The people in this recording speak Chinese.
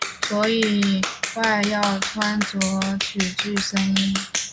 所以外要穿着曲裾深衣。